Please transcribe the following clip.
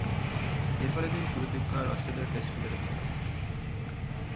এরফলে তিনি শুরুর দিককার অস্ট্রেলিয়ার টেস্ট ক্রিকেটার ছিলেন।